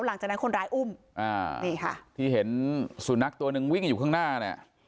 หลังจากนั้นคนร้ายอุ้มอ่านี่ค่ะที่เห็นสุนัขตัวหนึ่งวิ่งอยู่ข้างหน้าเนี่ย